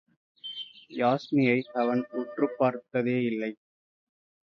யாஸ்மியை அவன் உற்றுப் பார்ப்பதேயில்லை.